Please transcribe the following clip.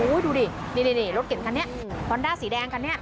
โอ้ยดูดินี่นี่นี่รถเก๋งคันนี้ฮอนด้าสีแดงคันนี้